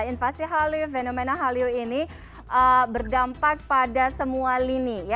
invasi hallyu fenomena hallyu ini berdampak pada semua lini ya